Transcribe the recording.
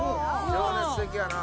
情熱的やな。